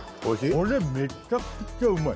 これめちゃくちゃうまい。